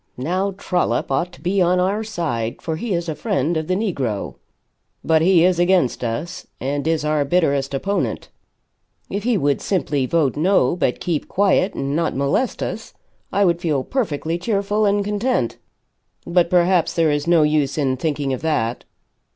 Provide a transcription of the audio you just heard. Now Trollop ought to be on our side, for he is a friend of the negro. But he is against us, and is our bitterest opponent. If he would simply vote No, but keep quiet and not molest us, I would feel perfectly cheerful and content. But perhaps there is no use in thinking of that."